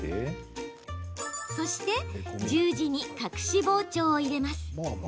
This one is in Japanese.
そして十字に隠し包丁を入れます。